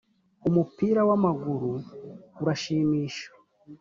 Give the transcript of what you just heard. umupira w ‘amaguru urashimisha.